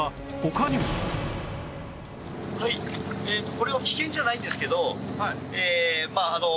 これは危険じゃないんですけど。